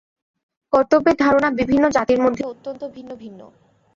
কর্তব্যের ধারণা বিভিন্ন জাতির মধ্যে অত্যন্ত ভিন্ন ভিন্ন।